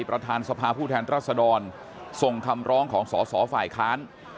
ประธานสภาผู้แทนรัศดรส่งคำร้องของสอสอฝ่ายค้าน